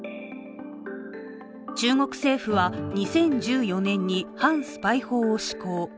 中国政府は２０１４年に反スパイ法を施行。